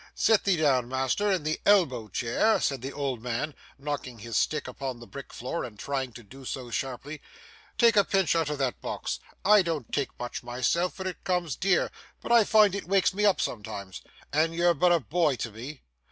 'Sit thee down, master, in the elbow chair,' said the old man, knocking his stick upon the brick floor, and trying to do so sharply. 'Take a pinch out o' that box; I don't take much myself, for it comes dear, but I find it wakes me up sometimes, and ye're but a boy to me.